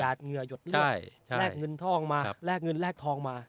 เหงื่อหยดเลือดแลกเงินทองมาแลกเงินแลกทองมา